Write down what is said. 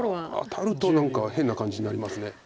当たると何か変な感じになります。